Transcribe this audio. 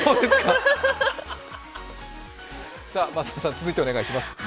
続いてお願いします。